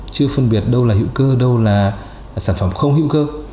chưa phân biệt đâu là hữu cơ đâu là sản phẩm không hữu cơ